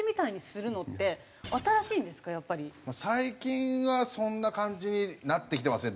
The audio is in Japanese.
まあ最近はそんな感じになってきてますね